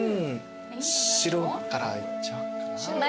白からいっちゃおうかな。